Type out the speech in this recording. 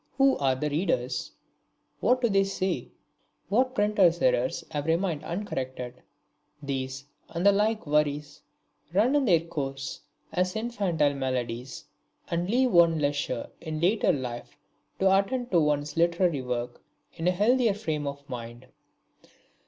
Who are the readers, what do they say, what printers' errors have remained uncorrected, these and the like worries run their course as infantile maladies and leave one leisure in later life to attend to one's literary work in a healthier frame of mind.